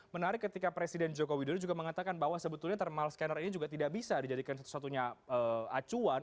menarik ketika presiden joko widodo juga mengatakan bahwa sebetulnya thermal scanner ini juga tidak bisa dijadikan satu satunya acuan